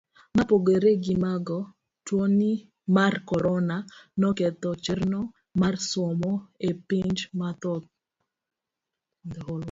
Mopogore gi mago, tuoni mar korona noketho chenro mar somo e pinje mathoth.